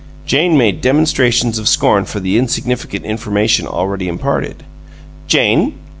Jane made demonstrations of scorn for the insignificant information already imparted. "Jane!"